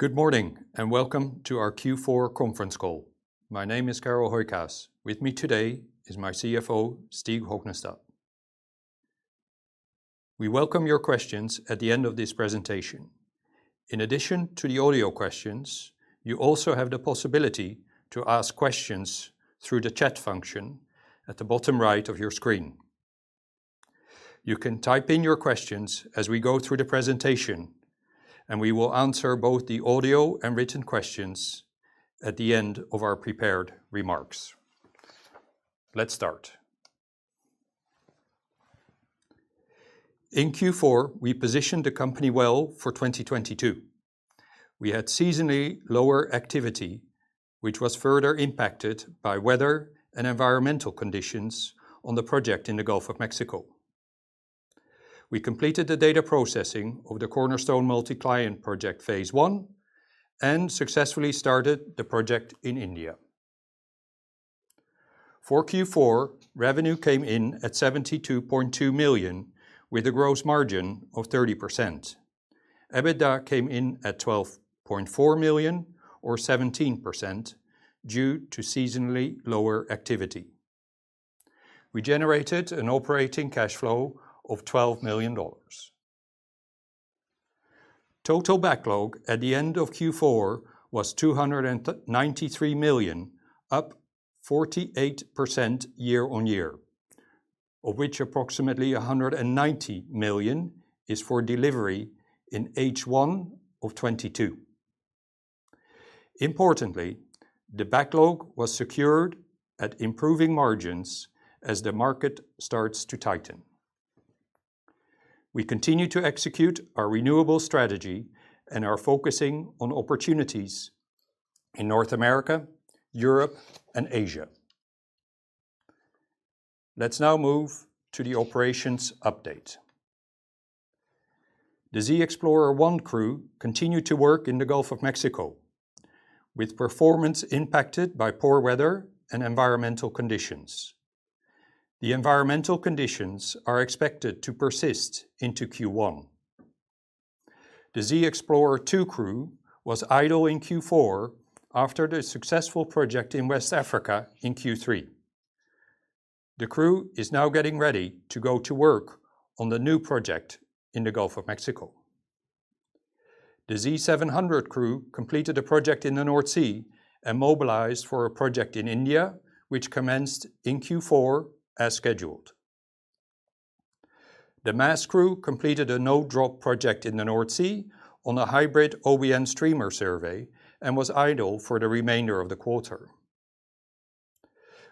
Good morning and welcome to our Q4 conference call. My name is Carel Hooijkaas. With me today is my CFO, Stig Hognestad. We welcome your questions at the end of this presentation. In addition to the audio questions, you also have the possibility to ask questions through the chat function at the bottom right of your screen. You can type in your questions as we go through the presentation, and we will answer both the audio, and written questions at the end of our prepared remarks. Let's start. In Q4, we positioned the company well for 2022. We had seasonally lower activity, which was further impacted by weather, and environmental conditions on the project in the Gulf of Mexico. We completed the data processing of the Cornerstone Multi-Client Project phase I, and successfully started the project in India. For Q4, revenue came in at $72.2 million, with a gross margin of 30%. EBITDA came in at $12.4 million, or 17%, due to seasonally lower activity. We generated an operating cash flow of $12 million. Total backlog at the end of Q4 was $293 million, up 48% year-on-year, of which approximately $190 million is for delivery in H1 of 2022. Importantly, the backlog was secured at improving margins as the market starts to tighten. We continue to execute our renewable strategy and are focusing on opportunities in North America, Europe, and Asia. Let's now move to the operations update. The Sea Explorer One crew continued to work in the Gulf of Mexico, with performance impacted by poor weather and environmental conditions. The environmental conditions are expected to persist into Q1. The Sea Explorer Two crew was idle in Q4 after the successful project in West Africa in Q3. The crew is now getting ready to go to work on the new project in the Gulf of Mexico. The Z700 crew completed a project in the North Sea and mobilized for a project in India, which commenced in Q4 as scheduled. The MASS crew completed a Node Drop project in the North Sea on a Hybrid OBN Streamer Survey and was idle for the remainder of the quarter.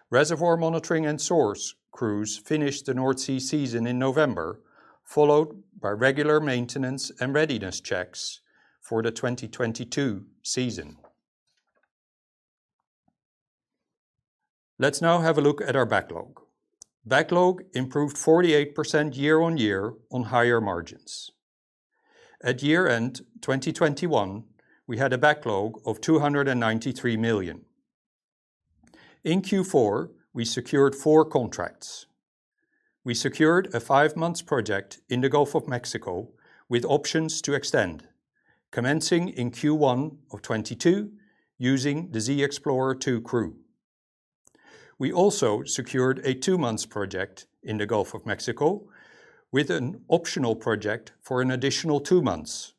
Reservoir Monitoring and Source Crews finished the North Sea season in November, followed by regular maintenance and readiness checks for the 2022 season. Let's now have a look at our backlog. Backlog improved 48% year-on-year on higher margins. At year-end 2021, we had a backlog of $293 million. In Q4, we secured four contracts. We secured a five-month project in the Gulf of Mexico with options to extend, commencing in Q1 of 2022 using the Sea Explorer Two crew. We also secured a two-month project in the Gulf of Mexico with an optional project for an additional two months,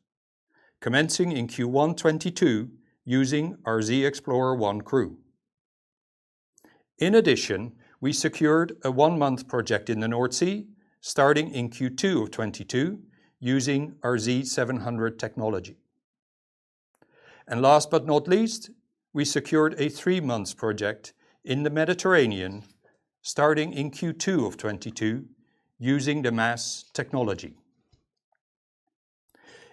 commencing in Q1 2022 using our Sea Explorer One crew. In addition, we secured a one-month project in the North Sea, starting in Q2 of 2022 using our Z700 technology. Last but not least, we secured a three-month project in the Mediterranean, starting in Q2 of 2022 using the MASS technology.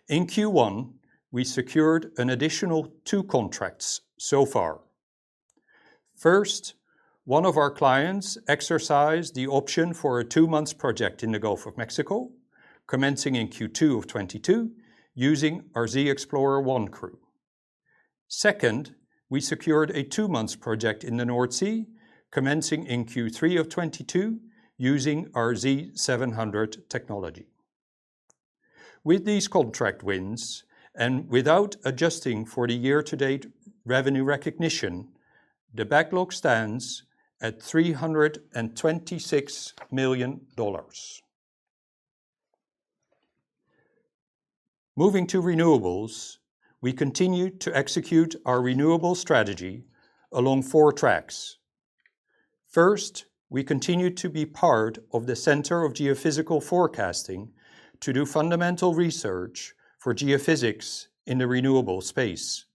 In Q1, we secured an additional two contracts so far. First, one of our clients exercised the option for a two-month project in the Gulf of Mexico, commencing in Q2 of 2022 using our Sea Explorer One crew. Second, we secured a two-month project in the North Sea, commencing in Q3 of 2022 using our Z700 technology. With these contract wins, and without adjusting for the year-to-date revenue recognition, the backlog stands at $326 million. Moving to renewables, we continue to execute our renewable strategy along four tracks. First, we continue to be part of the Centre for Geophysical Forecasting to do fundamental research for geophysics in the renewable space.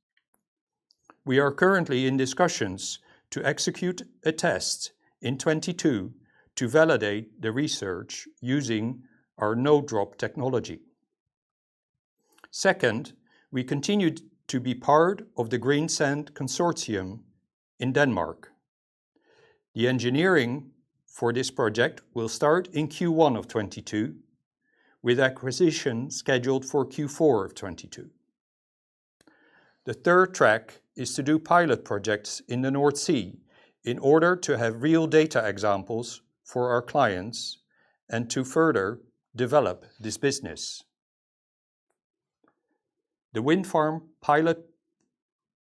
We are currently in discussions to execute a test in 2022 to validate the research using our Node Drop technology. Second, we continued to be part of the Project Greensand Consortium in Denmark. The engineering for this project will start in Q1 of 2022, with acquisition scheduled for Q4 of 2022. The third track is to do pilot projects in the North Sea in order to have real data examples for our clients. To further develop this business. The Wind Farm Pilot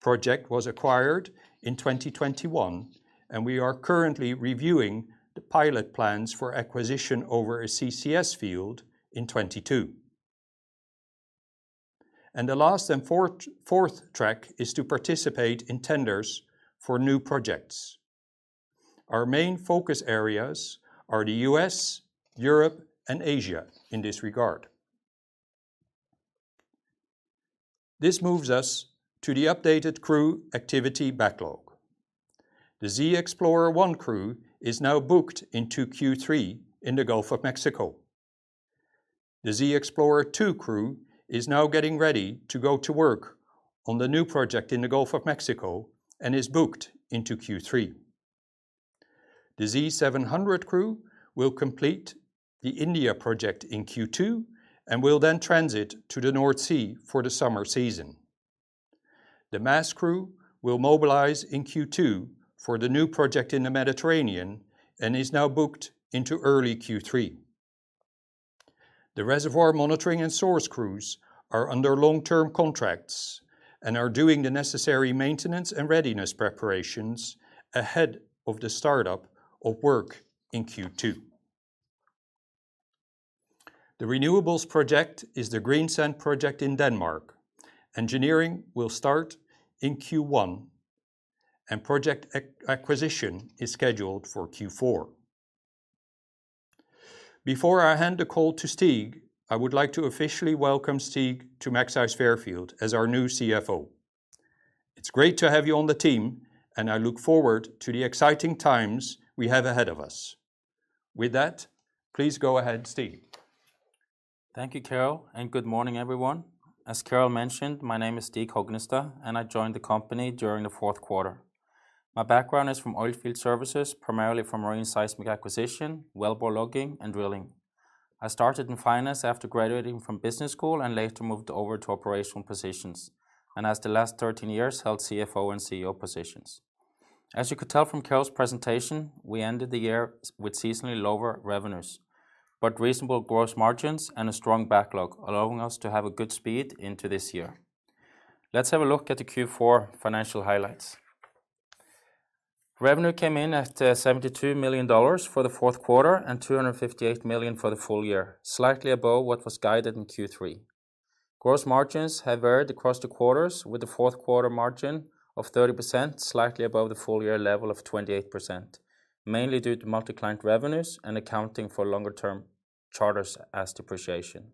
Project was acquired in 2021, and we are currently reviewing the Pilot plans for acquisition over a CCS field in 2022. The last and fourth track is to participate in tenders for new projects. Our main focus areas are the U.S., Europe, and Asia in this regard. This moves us to the updated crew activity backlog. The Sea Explorer One crew is now booked into Q3 in the Gulf of Mexico. The Sea Explorer Two crew is now getting ready to go to work on the new project in the Gulf of Mexico and is booked into Q3. The Z700 crew will complete the India project in Q2 and will then transit to the North Sea for the summer season. The MASS crew will mobilize in Q2 for the new project in the Mediterranean and is now booked into early Q3. The Reservoir Monitoring and Source Crews are under long-term contracts and are doing the necessary maintenance and readiness preparations ahead of the startup of work in Q2. The renewables project is Project Greensand in Denmark. Engineering will start in Q1, and project acquisition is scheduled for Q4. Before I hand the call to Stig, I would like to officially welcome Stig to Magseis Fairfield as our new CFO. It's great to have you on the team, and I look forward to the exciting times we have ahead of us. With that please go ahead, Stig. Thank you Carel, and good morning, everyone. As Carel mentioned, my name is Stig Hognestad, and I joined the company during the fourth quarter. My background is from oil field services, primarily from marine seismic acquisition, wellbore logging, and drilling. I started in finance after graduating from business school and later moved over to operational positions, and for the last 13 years held CFO, and CEO positions. As you could tell from Carel's presentation, we ended the year with seasonally lower revenues, but reasonable gross margins and a strong backlog, allowing us to have a good speed into this year. Let's have a look at the Q4 financial highlights. Revenue came in at $72 million for the fourth quarter and $258 million for the full year, slightly above what was guided in Q3. Gross margins have varied across the quarters with the fourth quarter margin of 30%, slightly above the full year level of 28%, mainly due to Multi-Client Revenues, and accounting for longer-term charters as depreciation.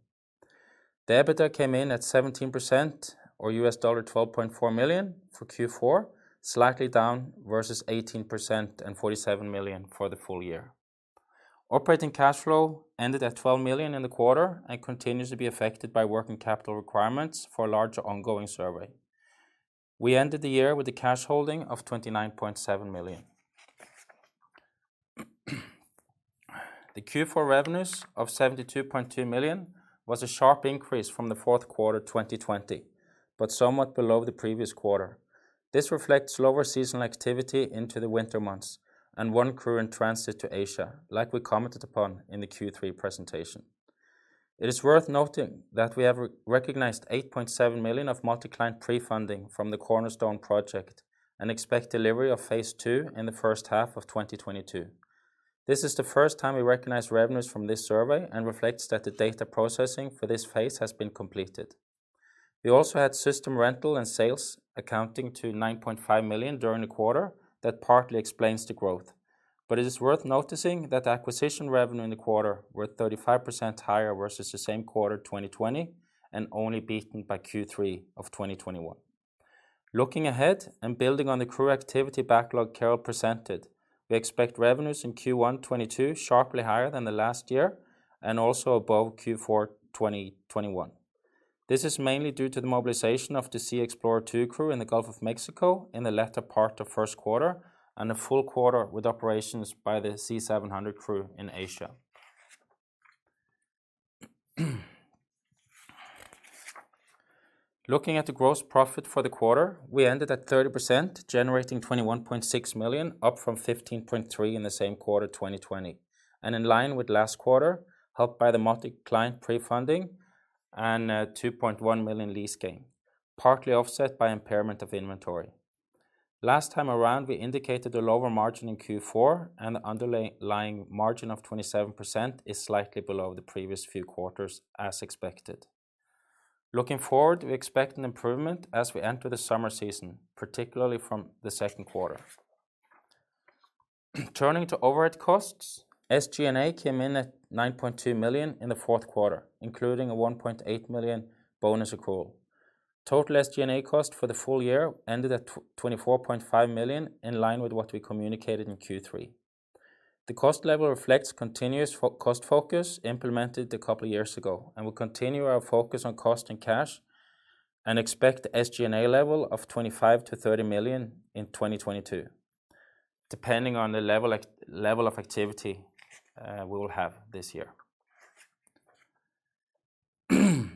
The EBITDA came in at 17% or $12.4 million for Q4, slightly down versus 18%, and $47 million for the full year. Operating Cash Flow ended at $12 million in the quarter and continues to be affected by working capital requirements for a larger ongoing survey. We ended the year with a cash holding of $29.7 million. The Q4 revenues of $72.2 million was a sharp increase from the fourth quarter 2020, but somewhat below the previous quarter. This reflects lower seasonal activity into the winter months and one crew in transit to Asia, like we commented upon in the Q3 presentation. It is worth noting that we have re-recognized $8.7 million of multi-client pre-funding from the Cornerstone project and expect delivery of phase II in the first half of 2022. This is the first time we recognized revenues from this survey, and reflects that the data processing for this phase has been completed. We also had system rental and sales accounting to $9.5 million during the quarter that partly explains the growth. It is worth noticing that acquisition revenue in the quarter were 35% higher versus the same quarter 2020 and only beaten by Q3 of 2021. Looking ahead and building on the crew activity backlog Carel presented, we expect revenues in Q1 2022 sharply higher than the last year and also above Q4 2021. This is mainly due to the mobilization of the Sea Explorer Two crew in the Gulf of Mexico in the latter part of first quarter and a full quarter with operations by the Z700 crew in Asia. Looking at the gross profit for the quarter, we ended at 30%, generating $21.6 million, up from $15.3 million in the same quarter 2020 and in line with last quarter, helped by the Multi-Client pre-funding and a $2.1 million lease gain, partly offset by impairment of inventory. Last time around, we indicated a lower margin in Q4 and underlying margin of 27% is slightly below the previous few quarters as expected. Looking forward, we expect an improvement as we enter the summer season, particularly from the second quarter. Turning to overhead costs, SG&A came in at $9.2 million in the fourth quarter, including a $1.8 million bonus accrual. Total SG&A cost for the full year ended at $24.5 million in line with what we communicated in Q3. The cost level reflects continuous cost focus implemented a couple of years ago, and we'll continue our focus on cost and cash and expect SG&A level of $25 million-$30 million in 2022, depending on the level of activity we will have this year.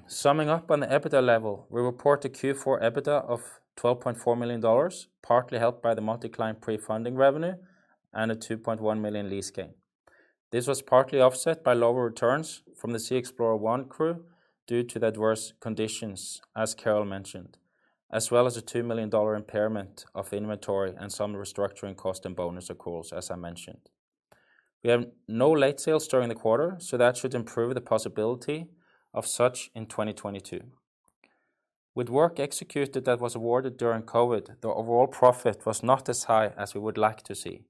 Summing up on the EBITDA level, we report a Q4 EBITDA of $12.4 million, partly helped by the multi-client pre-funding revenue and a $2.1 million lease gain. This was partly offset by lower returns from the Sea Explorer One crew due to the adverse conditions, as Carel mentioned, as well as a $2 million impairment of inventory and some restructuring cost and bonus accruals, as I mentioned. We have no late sales during the quarter, so that should improve the possibility of such in 2022. With work executed that was awarded during COVID, the overall profit was not as high as we would like to see.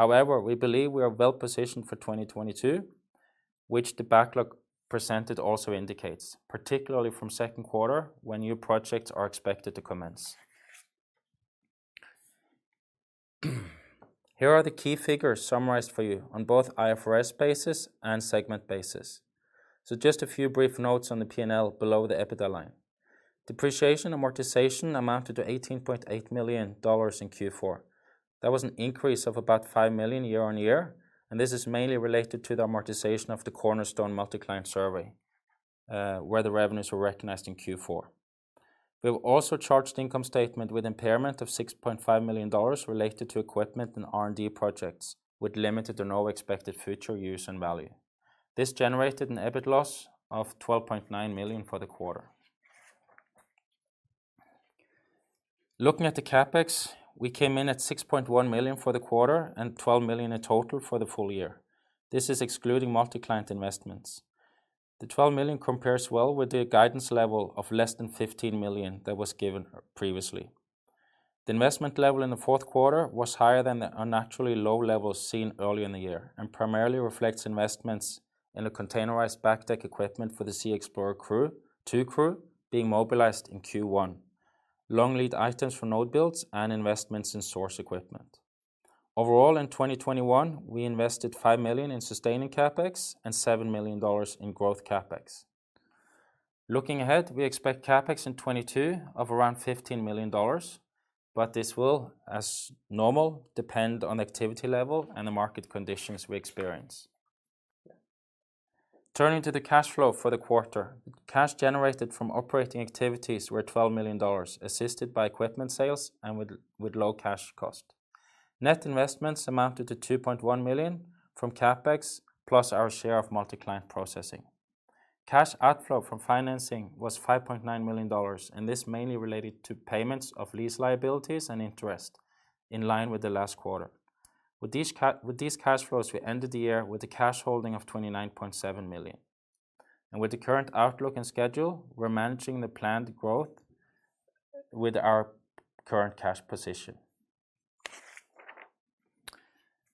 However, we believe we are well positioned for 2022, which the backlog presented also indicates, particularly from second quarter when new projects are expected to commence. Here are the key figures summarized for you on both IFRS Basis and Segment Basis. Just a few brief notes on the P&L below the EBITDA line. Depreciation and Amortization amounted to $18.8 million in Q4. That was an increase of about $5 million year-over-year, and this is mainly related to the Amortization of the Cornerstone Multi-Client Survey, where the revenues were recognized in Q4. We've also charged income statement with impairment of $6.5 million related to equipment and R&D projects with limited or no expected future use and value. This generated an EBIT loss of $12.9 million for the quarter. Looking at the CapEx, we came in at $6.1 million for the quarter and $12 million in total for the full year. This is excluding Multi-Client Investments. The $12 million compares well with the guidance level of less than $15 million that was given previously. The investment level in the fourth quarter was higher than the unnaturally low levels seen early in the year and primarily reflects investments in the containerized back deck equipment for the Sea Explorer crew, Two crew being mobilized in Q1, long lead items for Node Builds, and investments in source equipment. Overall, in 2021, we invested $5 million in sustaining CapEx, and $7 million in growth CapEx. Looking ahead, we expect CapEx in 2022 of around $15 million, but this will, as normal, depend on activity level and the market conditions we experience. Turning to the cash flow for the quarter, cash generated from operating activities were $12 million, assisted by equipment sales and with low cash cost. Net investments amounted to $2.1 million from CapEx plus our share of Multi-Client processing. Cash outflow from financing was $5.9 million, and this mainly related to payments of lease liabilities and interest in line with the last quarter. With these cash flows, we ended the year with a cash holding of $29.7 million. With the current outlook, and schedule we're managing the planned growth with our current cash position.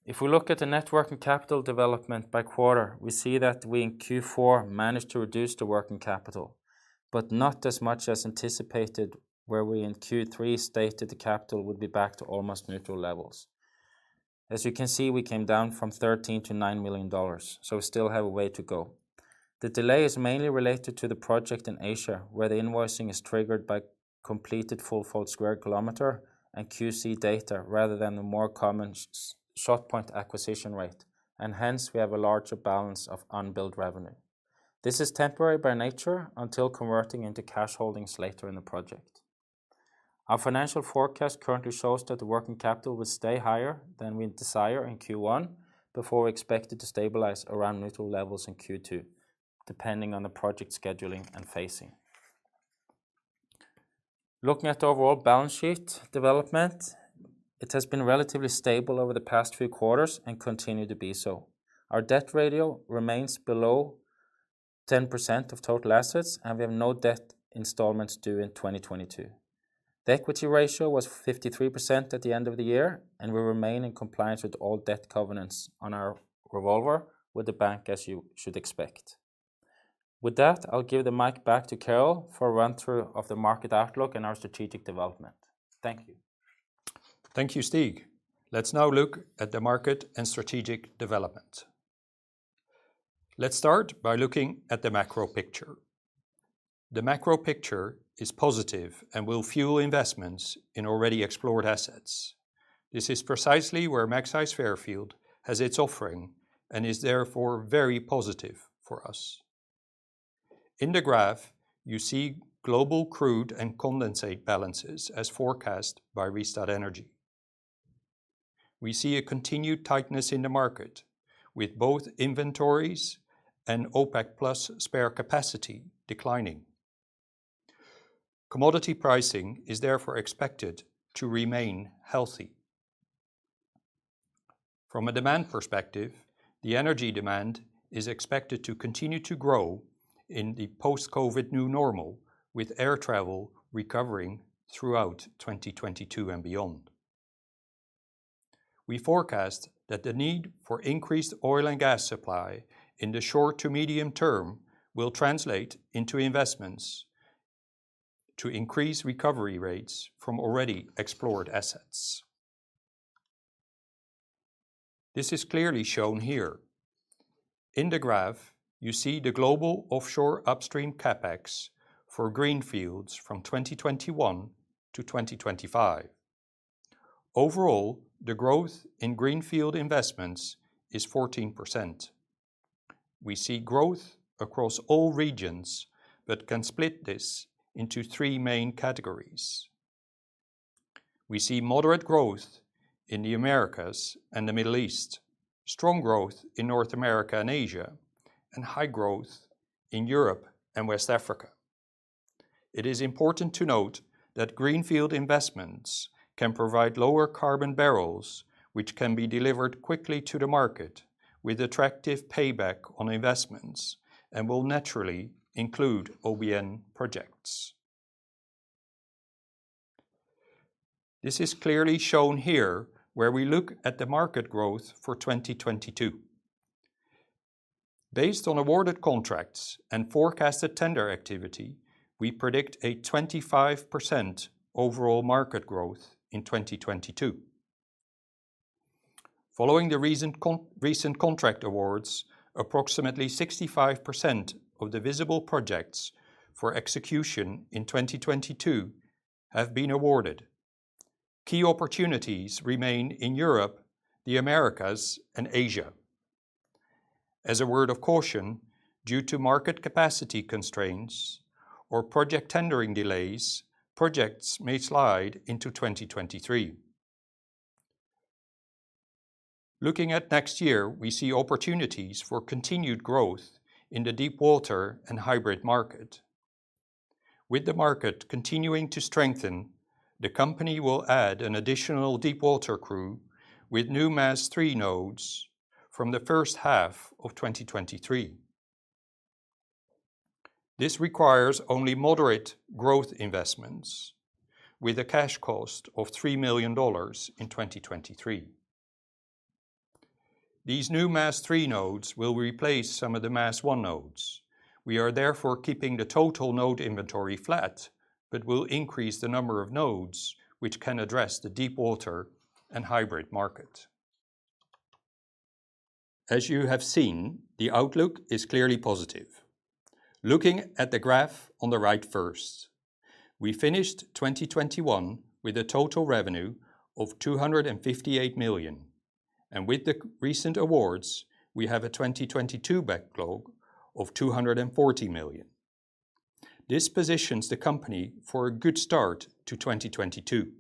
If we look at the Net Working Capital development by quarter, we see that we in Q4 managed to reduce the working capital, but not as much as anticipated, where we in Q3 stated the capital would be back to almost neutral levels. As you can see, we came down from $13 million-$9 million, so we still have a way to go. The delay is mainly related to the project in Asia, where the invoicing is triggered by completed full-fold square kilometer and QC data rather than the more Common Shot-Point acquisition rate, and hence we have a larger balance of unbilled revenue. This is temporary by nature until converting into cash holdings later in the project. Our financial forecast currently shows that the working capital will stay higher than we desire in Q1 before we expect it to stabilize around neutral levels in Q2, depending on the project scheduling, and phasing. Looking at the overall balance sheet development, it has been relatively stable over the past few quarters, and continue to be so. Our debt ratio remains below 10% of total assets, and we have no debt installments due in 2022. The equity ratio was 53% at the end of the year, and we remain in compliance with all debt covenants on our revolver with the bank as you should expect. With that, I'll give the mic back to Carel for a run-through of the market outlook and our strategic development. Thank you. Thank you, Stig. Let's now look at the market and strategic development. Let's start by looking at the macro picture. The macro picture is positive and will fuel investments in already explored assets. This is precisely where Magseis Fairfield has its offering, and is therefore very positive for us. In the graph, you see global crude, and condensate balances as forecast by Rystad Energy. We see a continued tightness in the market with both inventories, and OPEC+ spare capacity declining. Commodity pricing is therefore expected to remain healthy. From a demand perspective, the energy demand is expected to continue to grow in the post-COVID new normal with air travel recovering throughout 2022 and beyond. We forecast that the need for increased oil and gas supply in the short to medium term will translate into investments to increase recovery rates from already explored assets. This is clearly shown here. In the graph, you see the global offshore upstream CapEx for greenfields from 2021 to 2025. Overall, the growth in greenfield investments is 14%. We see growth across all regions, but can split this into three main categories. We see moderate growth in the Americas and the Middle East, strong growth in North America and Asia, and high growth in Europe, and West Africa. It is important to note that greenfield investments can provide lower carbon barrels, which can be delivered quickly to the market with attractive payback on investments and will naturally include OBN Projects. This is clearly shown here, where we look at the market growth for 2022. Based on awarded contracts, and forecasted tender activity, we predict a 25% overall market growth in 2022. Following the recent contract awards, approximately 65% of the visible projects for execution in 2022 have been awarded. Key opportunities remain in Europe, the Americas, and Asia. As a word of caution, due to market capacity constraints or project tendering delays, projects may slide into 2023. Looking at next year, we see opportunities for continued growth in the Deepwater & Hybrid Market. With the market continuing to strengthen, the company will add an additional Deepwater crew with new MASS III nodes from the first half of 2023. This requires only moderate growth investments with a cash cost of $3 million in 2023. These new MASS III nodes will replace some of the MASS I nodes. We are therefore keeping the total node inventory flat, but will increase the number of nodes which can address the Deepwater & Hybrid Market. As you have seen, the outlook is clearly positive. Looking at the graph on the right first, we finished 2021 with a total revenue of $258 million, and with the recent awards, we have a 2022 backlog of $240 million. This positions the company for a good start to 2022.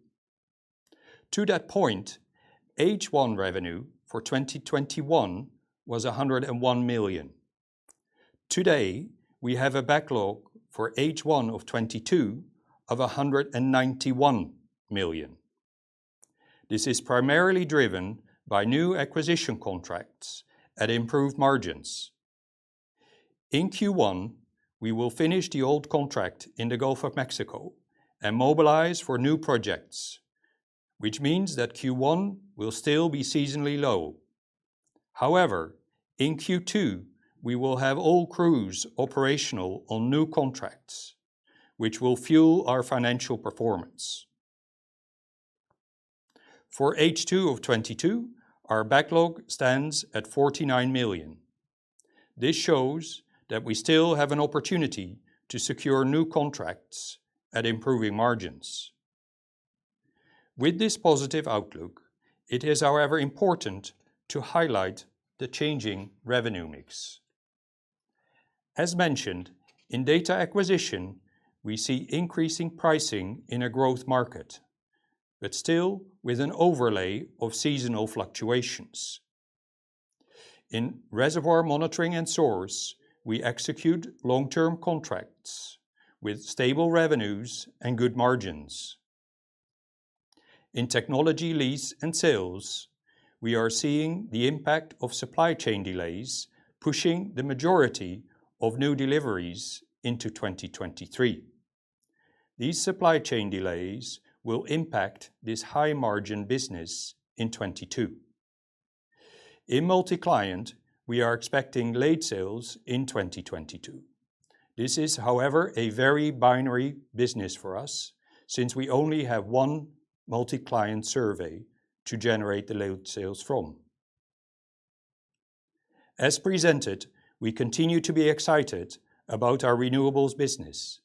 To that point, H1 revenue for 2021 was $101 million. Today, we have a backlog for H1 2022 of $191 million. This is primarily driven by new acquisition contracts at improved margins. In Q1, we will finish the old contract in the Gulf of Mexico and mobilize for new projects, which means that Q1 will still be seasonally low. However, in Q2, we will have all crews operational on new contracts, which will fuel our financial performance. For H2 of 2022, our backlog stands at $49 million. This shows that we still have an opportunity to secure new contracts at improving margins. With this positive outlook, it is, however, important to highlight the changing revenue mix. As mentioned, in data acquisition, we see increasing pricing in a growth market, but still with an overlay of seasonal fluctuations. In Reservoir Monitoring and Source, we execute long-term contracts with stable revenues and good margins. In technology lease and sales, we are seeing the impact of supply chain delays pushing the majority of new deliveries into 2023. These supply chain delays will impact this high-margin business in 2022. In Multi-Client, we are expecting late sales in 2022. This is, however, a very binary business for us since we only have one Multi-Client Survey to generate the late sales from. As presented, we continue to be excited about our renewables business,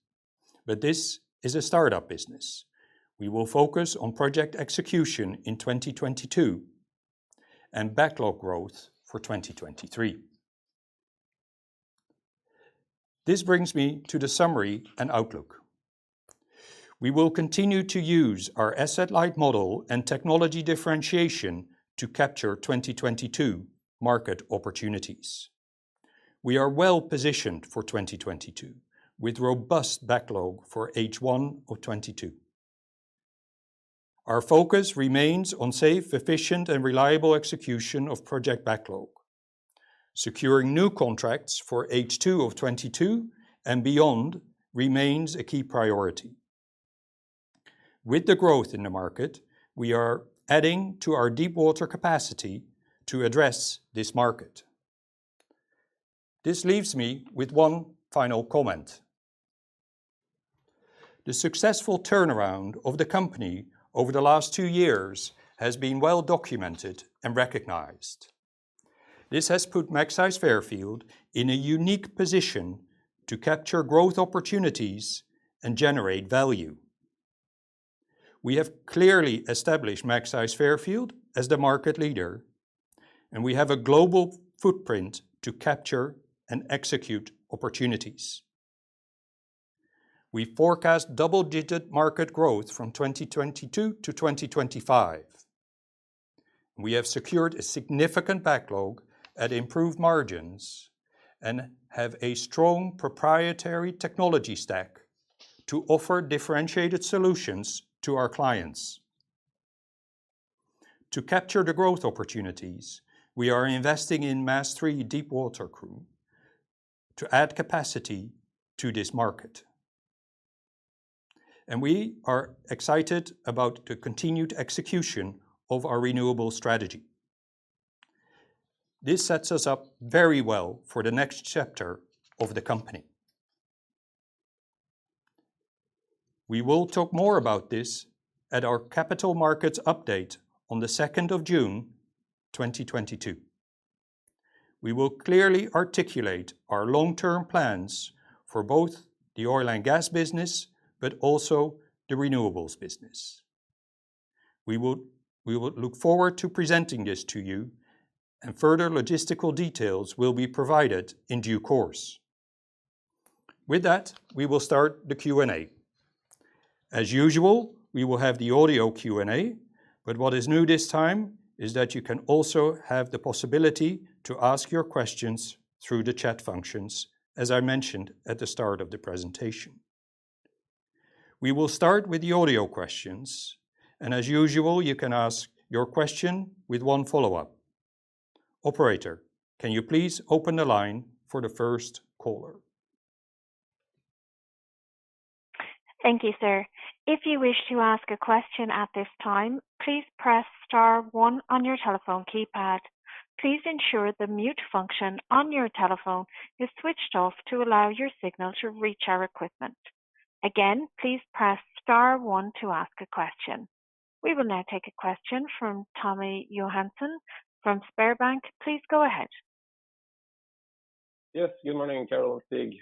but this is a startup business. We will focus on project execution in 2022, and backlog growth for 2023. This brings me to the summary, and outlook. We will continue to use our asset-light model and technology differentiation to capture 2022 market opportunities. We are well positioned for 2022 with robust backlog for H1 of 2022. Our focus remains on safe, efficient, and reliable execution of project backlog. Securing new contracts for H2 of 2022, and beyond remains a key priority. With the growth in the market, we are adding to our Deepwater capacity to address this market. This leaves me with one final comment. The successful turnaround of the company over the last two years has been well documented, and recognized. This has put Magseis Fairfield in a unique position to capture growth opportunities, and generate value. We have clearly established Magseis Fairfield as the market leader, and we have a global footprint to capture, and execute opportunities. We forecast double-digit market growth from 2022-2025. We have secured a significant backlog at improved margins, and have a strong proprietary technology stack to offer differentiated solutions to our clients. To capture the growth opportunities, we are investing in MASS III Deepwater crew to add capacity to this market. We are excited about the continued execution of our renewable strategy. This sets us up very well for the next chapter of the company. We will talk more about this at our capital markets update on the 2nd of June 2022. We will clearly articulate our long-term plans for both the oil and gas business, but also the renewables business. We will look forward to presenting this to you, and further logistical details will be provided in due course. With that, we will start the Q&A. As usual, we will have the audio Q&A, but what is new this time is that you can also have the possibility to ask your questions through the chat functions, as I mentioned at the start of the presentation. We will start with the audio questions, and as usual, you can ask your question with one follow-up. Operator, can you please open the line for the first caller? Thank you, sir. If you wish to ask a question at this time, please press star one on your telephone keypad. Please ensure the mute function on your telephone is switched off to allow your signal to reach our equipment. Again, please press star one to ask a question. We will now take a question from Tommy Johannessen from SpareBank. Please go ahead. Yes good morning Carel, and Stig.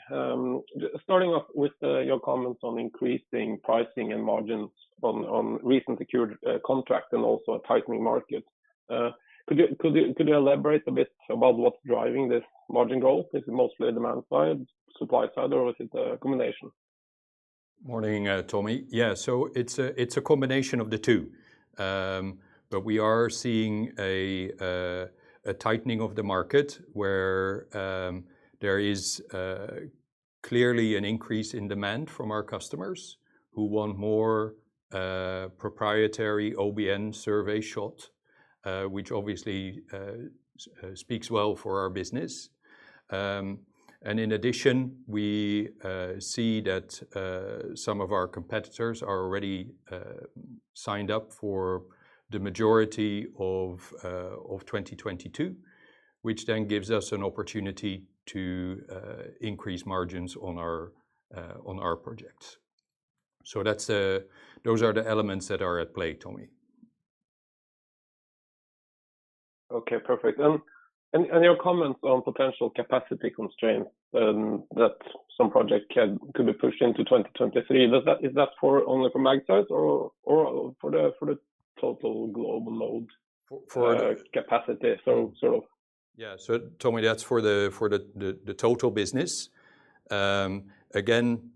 Starting off with your comments on increasing pricing, and margins on recent secured contracts, and also a tightening market. Could you elaborate a bit about what's driving this margin growth? Is it mostly demand side, supply side, or is it a combination? Morning Tommy. Yeah, it's a combination of the two. We are seeing a tightening of the market where there is clearly an increase in demand from our customers who want more proprietary OBN survey shot, which obviously speaks well for our business. In addition, we see that some of our competitors are already signed up for the majority of 2022, which then gives us an opportunity to increase margins on our projects. Those are the elements that are at play, Tommy. Okay, perfect, your comments on potential capacity constraints that some projects could be pushed into 2023. Is that for only Magseis or for the total global load? For. Capacity? Tommy that's for the total business. Again,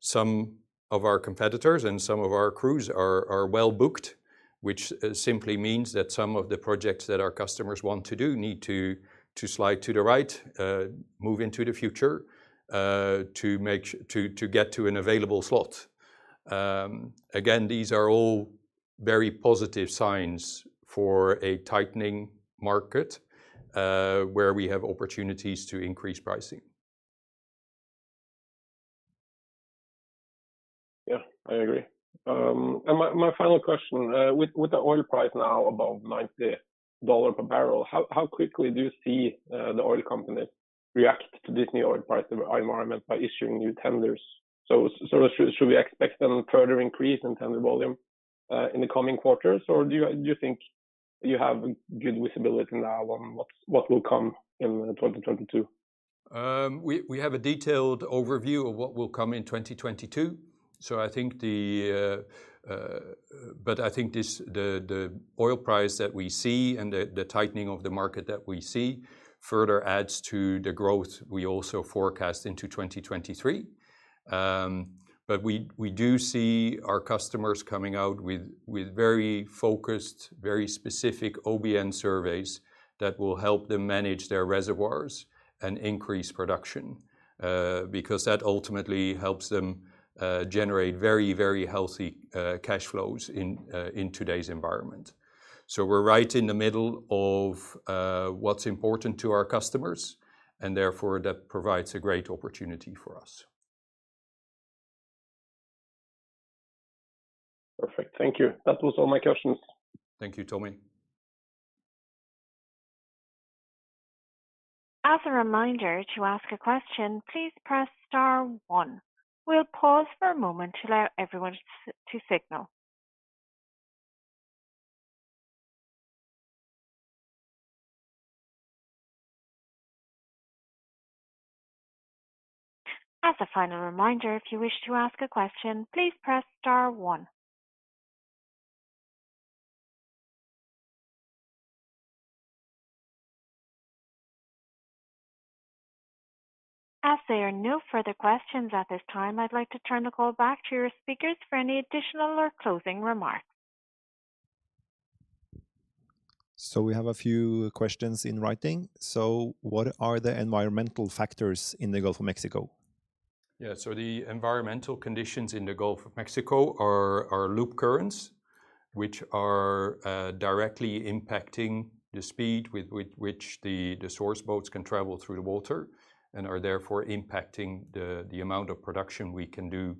some of our competitors, and some of our crews are well-booked, which simply means that some of the projects that our customers want to do need to slide to the right, move into the future, to get to an available slot. Again, these are all very positive signs for a tightening market where we have opportunities to increase pricing. Yeah I agree, my final question with the oil price now above $90 per bbl, how quickly do you see the oil companies react to this new oil price environment by issuing new tenders? Should we expect some further increase in tender volume in the coming quarters? Or do you think you have good visibility now on what will come in 2022? We have a detailed overview of what will come in 2022. I think the oil price that we see, and the tightening of the market that we see further adds to the growth we also forecast into 2023. We do see our customers coming out with very focused, very specific OBN surveys that will help them manage their reservoirs and increase production, because that ultimately helps them generate very healthy cash flows in today's environment. We're right in the middle of what's important to our customers, and therefore that provides a great opportunity for us. Perfect, thank you. That was all my questions. Thank you Tommy. As a reminder, to ask a question, please press star one. We'll pause for a moment to allow everyone to signal. As a final reminder, if you wish to ask a question, please press star one. As there are no further questions at this time, I'd like to turn the call back to your speakers for any additional or closing remarks. We have a few questions in writing. What are the environmental factors in the Gulf of Mexico? Yeah, the environmental conditions in the Gulf of Mexico are loop currents, which are directly impacting the speed with which the source boats can travel through the water, and are therefore impacting the amount of production we can do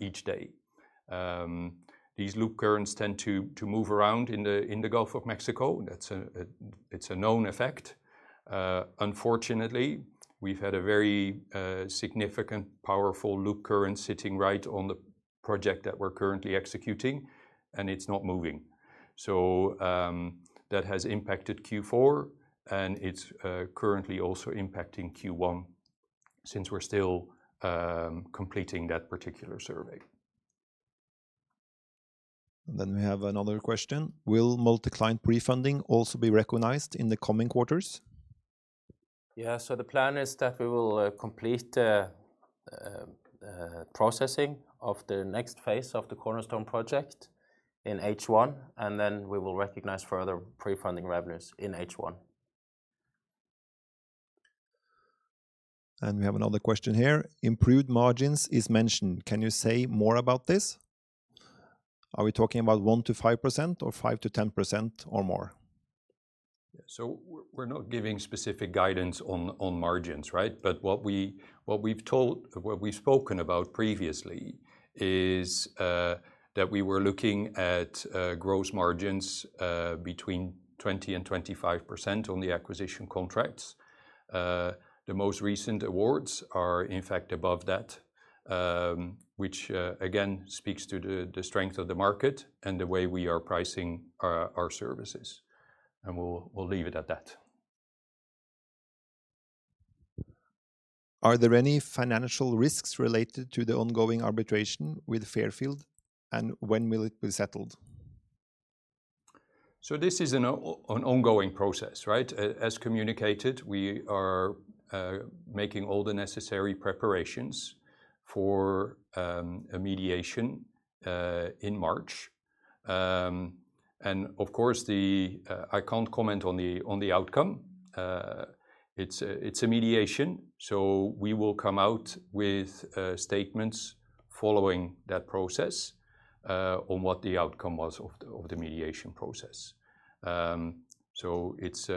each day. These loop currents tend to move around in the Gulf of Mexico. That's a known effect. Unfortunately, we've had a very significant powerful loop current sitting right on the project that we're currently executing, and it's not moving. That has impacted Q4, and it's currently also impacting Q1, since we're still completing that particular survey. We have another question. Will Multi-Client prefunding also be recognized in the coming quarters? Yeah, the plan is that we will complete the processing of the next phase of the Cornerstone project in H1, and then we will recognize further prefunding revenues in H1. We have another question here. Improved margins is mentioned. Can you say more about this? Are we talking about 1%-5% or 5%-10% or more? We're not giving specific guidance on margins, right? What we've spoken about previously is that we were looking at gross margins between 20%-25% on the acquisition contracts. The most recent awards are in fact above that, which again speaks to the strength of the market and the way we are pricing our services. We'll leave it at that. Are there any financial risks related to the ongoing arbitration with Fairfield, and when will it be settled? This is an ongoing process, right? As communicated, we are making all the necessary preparations for a mediation in March. Of course, I can't comment on the outcome. It's a mediation, so we will come out with statements following that process on what the outcome was of the mediation process. It's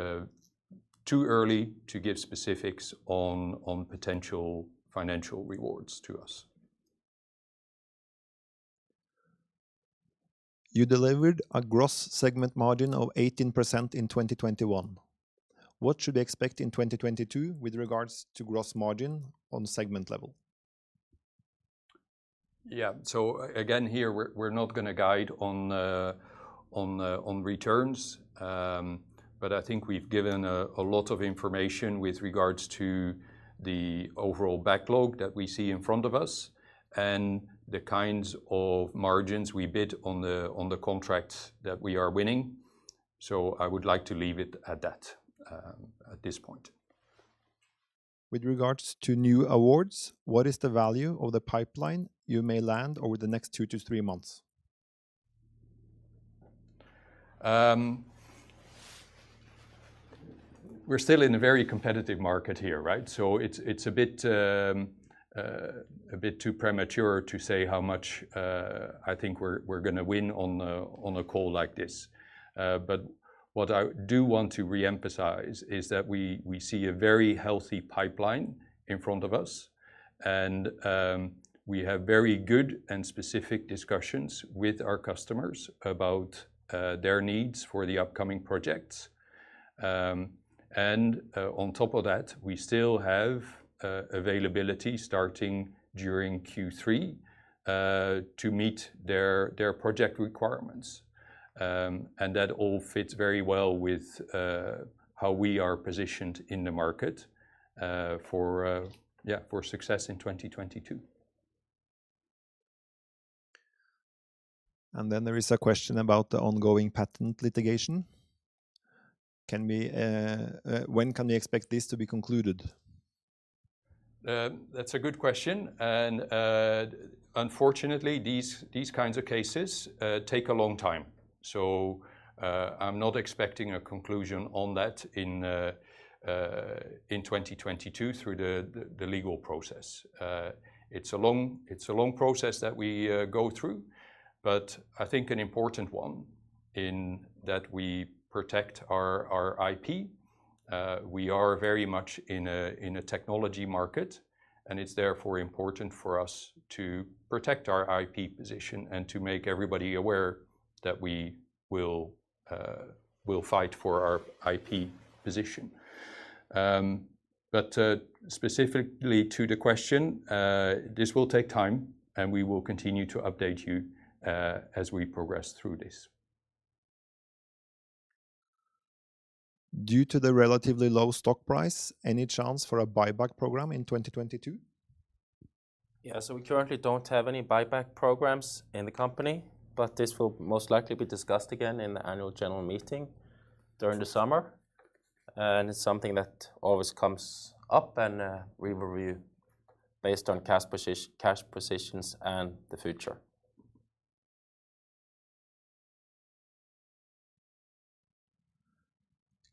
too early to give specifics on potential financial rewards to us. You delivered a gross segment margin of 18% in 2021. What should we expect in 2022 with regards to gross margin on segment level? Again, here, we're not gonna guide on returns. But I think we've given a lot of information with regards to the overall backlog that we see in front of us, and the kinds of margins we bid on the contracts that we are winning. I would like to leave it at that, at this point. With regards to new awards, what is the value of the pipeline you may land over the next two-three months? We're still in a very competitive market here, right? It's a bit too premature to say how much I think we're gonna win on a call like this. What I do want to reemphasize is that we see a very healthy pipeline in front of us, and we have very good, and specific discussions with our customers about their needs for the upcoming projects. On top of that, we still have availability starting during Q3 to meet their project requirements. That all fits very well with how we are positioned in the market for success in 2022. There is a question about the ongoing patent litigation. When can we expect this to be concluded? That's a good question, and unfortunately, these kinds of cases take a long time. I'm not expecting a conclusion on that in 2022 through the legal process. It's a long process that we go through, but I think an important one in that we protect our IP. We are very much in a technology market, and it's therefore important for us to protect our IP position and to make everybody aware that we will fight for our IP position. Specifically to the question, this will take time, and we will continue to update you as we progress through this. Due to the relatively low stock price, any chance for a buyback program in 2022? Yeah, we currently don't have any buyback programs in the company, but this will most likely be discussed again in the annual general meeting during the summer. It's something that always comes up, and we will review based on cash positions and the future.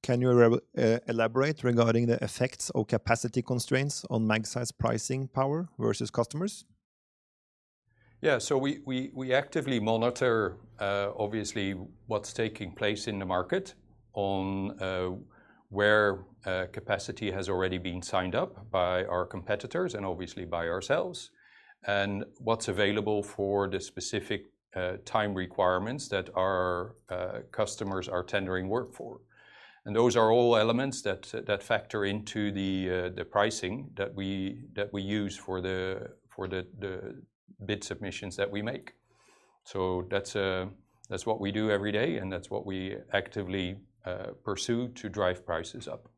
Can you elaborate regarding the effects of capacity constraints on Magseis' pricing power versus customers? Yeah, we actively monitor obviously what's taking place in the market on where capacity has already been signed up by our competitors, and obviously by ourselves, and what's available for the specific time requirements that our customers are tendering work for. Those are all elements that factor into the pricing that we use for the bid submissions that we make. That's what we do every day, and that's what we actively pursue to drive prices up.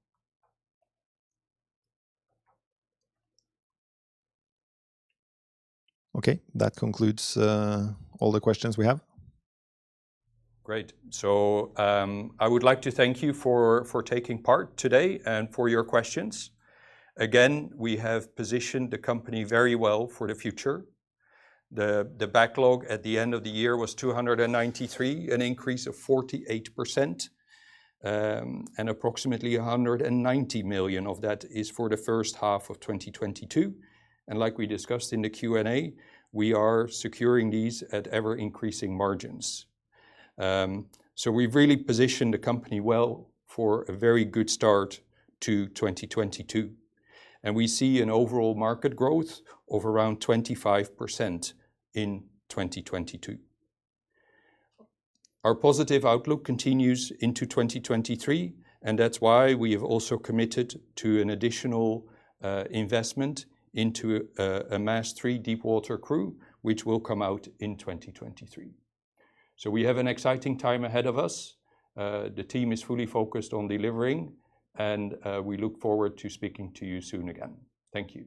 Okay, that concludes all the questions we have. Great, I would like to thank you for taking part today, and for your questions. Again, we have positioned the company very well for the future. The backlog at the end of the year was 293, an increase of 48%, and approximately $190 million of that is for the first half of 2022. Like we discussed in the Q&A, we are securing these at ever-increasing margins. We've really positioned the company well for a very good start to 2022, and we see an overall market growth of around 25% in 2022. Our positive outlook continues into 2023, and that's why we have also committed to an additional investment into a MASS III Deepwater crew, which will come out in 2023. We have an exciting time ahead of us. The team is fully focused on delivering, and we look forward to speaking to you soon again. Thank you.